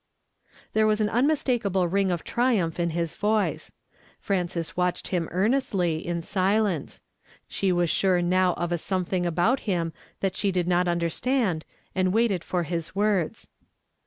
There was an unmistakable ring of triumph in his voice. Frances watched him earnestly, in silence ; she was ^ ure now of a sometliing about 48 YESTERDAY FRAMKD IN TO DAY. liim that she did not understand, and waited for liis words.